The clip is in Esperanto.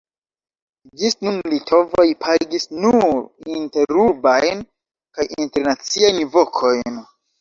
Ĝis nun litovoj pagis nur interurbajn kaj internaciajn vokojn.